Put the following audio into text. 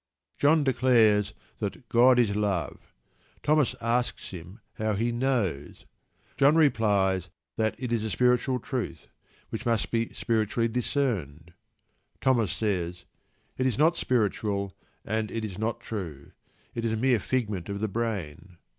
John declares that "God is love." Thomas asks him how he knows. John replies that it is a "spiritual truth," which must be "spiritually discerned." Thomas says: "It is not spiritual, and it is not true. It is a mere figment of the brain."